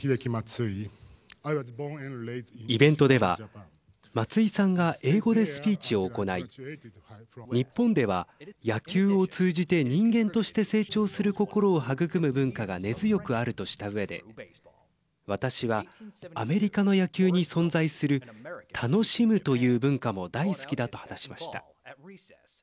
イベントでは、松井さんが英語でスピーチを行い日本では野球を通じて人間として成長する心を育む文化が根強くあるとしたうえで私はアメリカの野球に存在する楽しむという文化も大好きだと話しました。